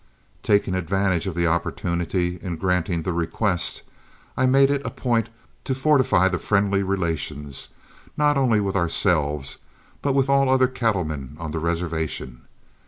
Taking advantage of the opportunity, in granting the request I made it a point to fortify the friendly relations, not only with ourselves, but with all other cattlemen on the reservation.